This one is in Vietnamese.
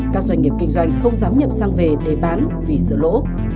các doanh nghiệp kinh doanh không dám nhập sang về để bán vì sửa lỗ